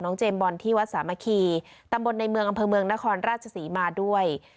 เจมส์บอลที่วัดสามัคคีตำบลในเมืองอำเภอเมืองนครราชศรีมาด้วย